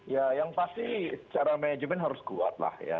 ya yang pasti secara manajemen harus kuat lah ya